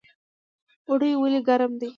اوړی ولې ګرم وي؟